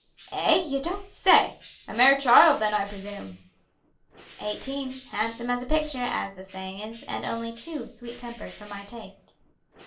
"Eh! you don't say? A mere child, then, I presume." "Eighteen, handsome as a picture, as the saying is, and only too sweet tempered for my taste."